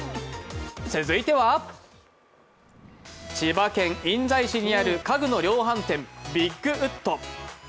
続いては千葉県印西市にある家具の量販店・ビッグウッド。